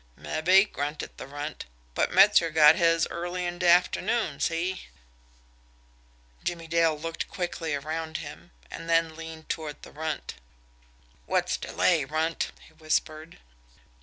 "Mabbe," grunted the Runt. "But Metzer got his early in de afternoon see?" Jimmie Dale looked quickly around him and then leaned toward the Runt. "Wot's de lay, Runt?" he whispered.